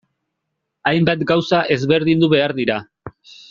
Hainbat gauza ezberdindu behar dira.